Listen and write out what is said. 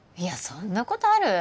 そんなことある？